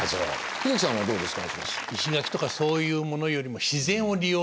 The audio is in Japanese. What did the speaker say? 英樹さんはどうですか？